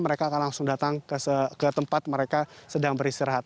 sengaja datang ke tempat mereka sedang beristirahat